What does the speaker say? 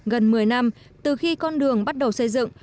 gần một mươi năm từ khi con đường bắt đầu xây dựng